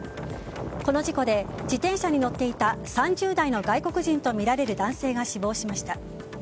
この事故で自転車に乗っていた３０代の外国人とみられる男性が死亡しました。